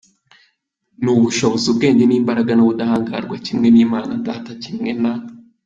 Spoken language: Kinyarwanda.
n'ubushobozi, ubwenge n'imbaraga n'ubudahangarwa kimwe n'Imana Data, kimwe na.